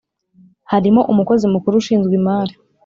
harimo umukozi mukuru ushinzwe imari